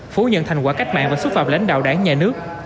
phủ nhận thành quả cách mạng và xúc phạm lãnh đạo đảng nhà nước